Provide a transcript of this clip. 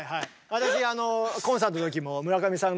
私コンサートの時も村上さん